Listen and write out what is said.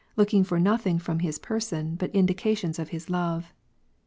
^^n/' looking for nothing from his pei'son, but indications of his —'■— love.